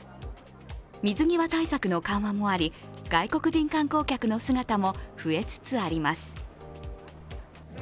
水際対策の緩和もあり外国人観光客の姿も増えつつあります。